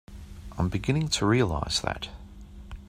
I'm beginning to realize that.